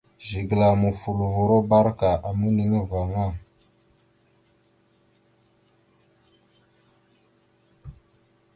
Zigəla mofoləvoro barəka ameshekeŋala.